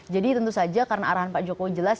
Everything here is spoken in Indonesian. jadi tentu saja karena arahan pak jokowi jelas